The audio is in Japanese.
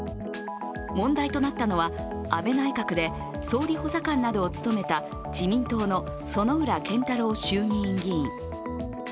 問題となったのは安倍内閣で総理補佐官などを務めた自民党の薗浦健太郎衆議院議員。